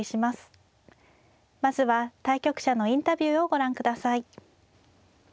まずは対局者のインタビューをご覧ください。